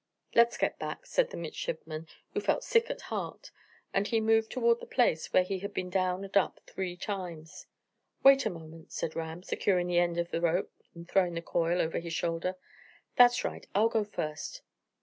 "Let's get back," said the midshipman, who felt sick at heart; and he moved toward the place where he had been down and up three times. "Wait a moment," said Ram, securing the end of the rope, and throwing the coil over his shoulder. "That's right. I'll go first.